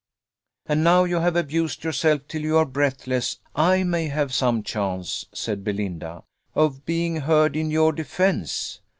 "And now you have abused yourself till you are breathless, I may have some chance," said Belinda, "of being heard in your defence.